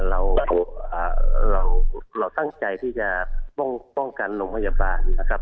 เราตั้งใจที่จะป้องกันโรงพยาบาลนะครับ